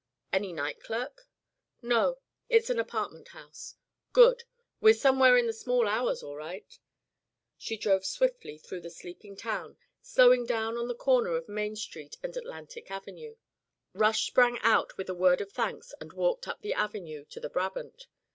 "Any night clerk?" "No; it's an apartment house." "Good. We're somewhere in the small hours all right." She drove swiftly through the sleeping town, slowing down on the corner of Main Street and Atlantic Avenue. Rush sprang out with a word of thanks and walked up the avenue to The Brabant.